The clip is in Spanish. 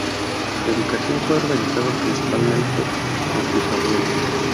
Su educación fue organizada principalmente por sus abuelos.